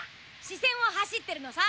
支線を走っているのさ。